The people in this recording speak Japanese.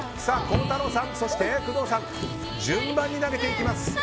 孝太郎さん、そして工藤さん順番に投げていきます。